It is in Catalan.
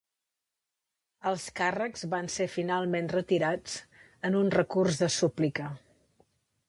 Els càrrecs van ser finalment retirats en un recurs de súplica.